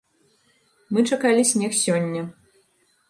Мы чакалі снег сёння.